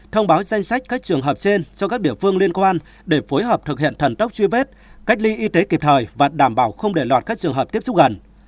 thông báo danh sách các trường hợp trên cho các địa phương liên quan để phối hợp thực hiện thần tốc truy vết cách ly y tế kịp thời và đảm bảo không để lọt các trường hợp tiếp xúc gần